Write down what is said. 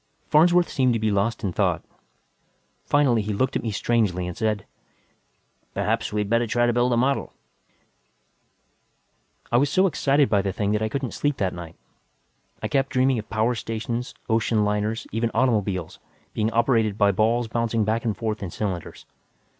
Farnsworth seemed to be lost in thought. Finally he looked at me strangely and said, "Perhaps we had better try to build a model." I was so excited by the thing that I couldn't sleep that night. I kept dreaming of power stations, ocean liners, even automobiles, being operated by balls bouncing back and forth in cylinders.